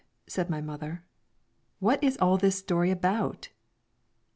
said my mother, what is all this story about?